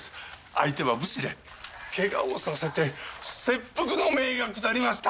相手は武士で怪我をさせて切腹の命が下りました！